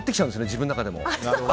自分の中でも。